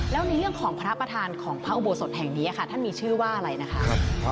แล้วในเรื่องของพระประธานของพระอุโบสถแห่งนี้ค่ะท่านมีชื่อว่าอะไรนะคะ